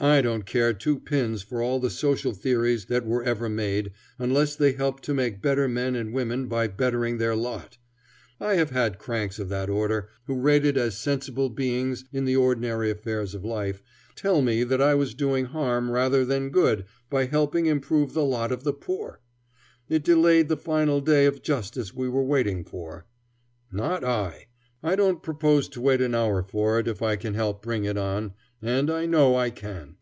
I don't care two pins for all the social theories that were ever made unless they help to make better men and women by bettering their lot. I have had cranks of that order, who rated as sensible beings in the ordinary affairs of life, tell me that I was doing harm rather than good by helping improve the lot of the poor; it delayed the final day of justice we were waiting for. Not I. I don't propose to wait an hour for it, if I can help bring it on; and I know I can.